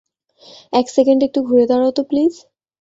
এক সেকেন্ড একটু ঘুরে দাঁড়াও তো প্লিজ?